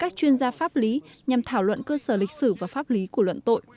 tổng thống sẽ đưa ra pháp lý nhằm thảo luận cơ sở lịch sử và pháp lý của luận tội